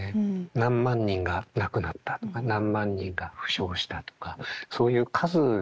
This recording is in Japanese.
何万人が亡くなったとか何万人が負傷したとかそういう数でね